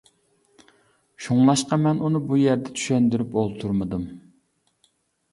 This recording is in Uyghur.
شۇڭلاشقا مەن ئۇنى بۇ يەردە چۈشەندۈرۈپ ئولتۇرمىدىم.